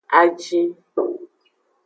Ajin.